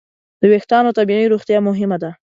د وېښتیانو طبیعي روغتیا مهمه ده.